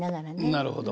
なるほど。